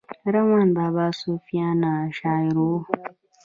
رحمان بابا صوفیانه شاعر وو.